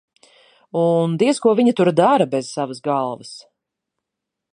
Un diez ko viņa tur dara bez savas galvas?